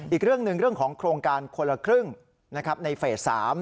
อีกเรื่องหนึ่งเรื่องของโครงการคนละครึ่งในเฟส๓